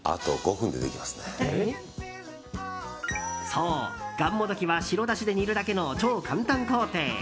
そう、がんもどきは白だしで煮るだけの超簡単工程。